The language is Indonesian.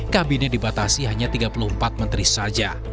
kabinet dibatasi hanya tiga puluh empat menteri saja